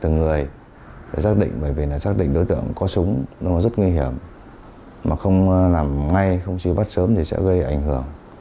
giác định đối tượng có súng rất nguy hiểm mà không làm ngay không truy bắt sớm thì sẽ gây ảnh hưởng